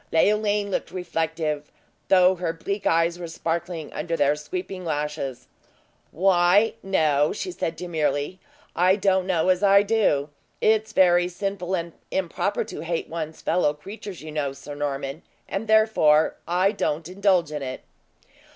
Leoline looked reflective; though her bleak eyes were sparkling under their sweeping lashes. "Why, no," she said, demurely, "I don't know as I do. It's very sinful and improper to hate one's fellow creatures, you know, Sir Norman, and therefore I don't indulge in it."